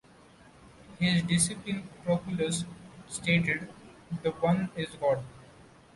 His disciple Proclus stated "The One is God".